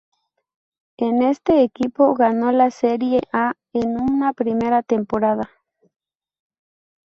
En este equipo ganó la Serie A en su primera temporada.